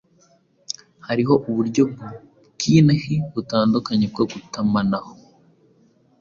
Hariho uburyo bwinhi butandukanye bwo gutumanaho,